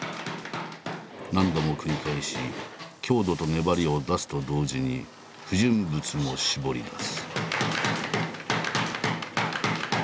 何度も繰り返し強度と粘りを出すと同時に不純物も絞り出す。